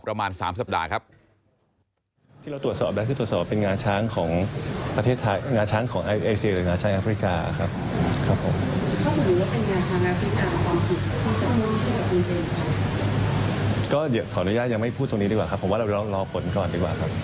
ประมาณ๓สัปดาห์ครับ